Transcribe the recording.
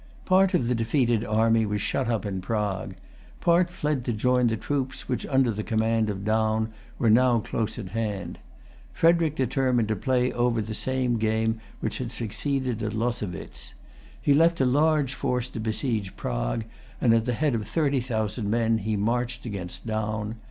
Part of the defeated army was shut up in Prague. Part fled to join the troops which, under the command of Daun, were now close at hand. Frederic determined to play over the same game which had succeeded at Lowositz. He left a large force to besiege Prague, and at the head of thirty thousand men he marched against Daun.